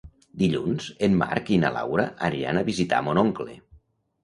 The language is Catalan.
Dilluns en Marc i na Laura aniran a visitar mon oncle.